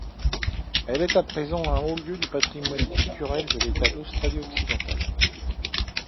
Elle est à présent un haut lieu du patrimoine culturel de l’État d’Australie-Occidentale.